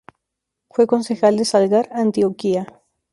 Fue concejal de Salgar Antioquia.